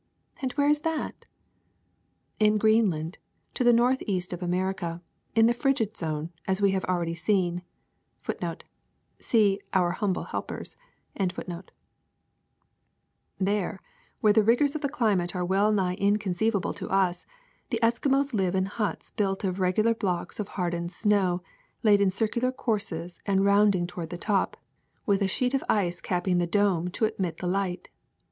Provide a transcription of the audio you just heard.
'''^ And where is that ?'' *^In Greenland, to the northeast of America, in the frigid zone, as we have already seen. ^ There, where the rigors of the climate are well nigh inconceivable to us, the Eskimos live in huts built of regular blocks of hardened snow laid in circular courses and round ing toward the top, with a sheet of ice capping the dome to admit the light.